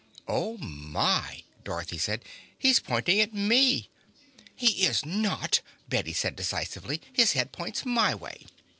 "Oh, my!" Dorothy said. "He's pointing at me!" "He is not!" Bette said decisively. "His head points my way!"